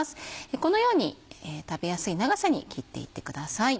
このように食べやすい長さに切っていってください。